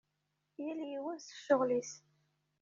Yal yiwen s ccɣel-is.